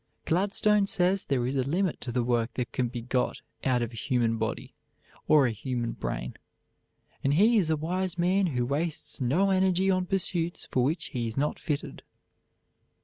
Gladstone says there is a limit to the work that can be got out of a human body, or a human brain, and he is a wise man who wastes no energy on pursuits for which he is not fitted.